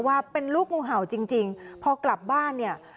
ว่าเป็นลูกงูเห่าจริงจริงพอกลับบ้านเนี่ย